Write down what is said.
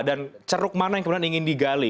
dan ceruk mana yang kebetulan ingin digali